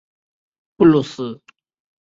布鲁斯。